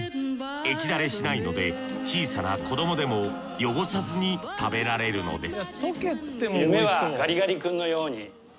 液だれしないので小さな子どもでも汚さずに食べられるのです